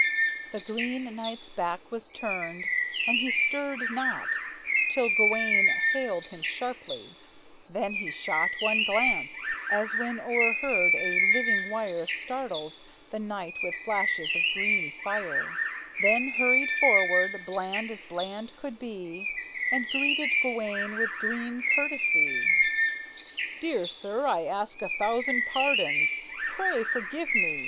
The Green Knight's back was turned, and he stirred not Till Gawayne hailed him sharply; then he shot One glance as when, o'erhead, a living wire Startles the night with flashes of green fire; Then hurried forward, bland as bland could be, And greeted Gawayne with green courtesy. "Dear sir, I ask a thousand pardons; pray Forgive me.